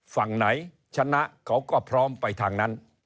ฝั่งไหนชนะเขาก็พร้อมไปทางนั้น